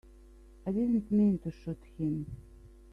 I didn't mean to shoot him.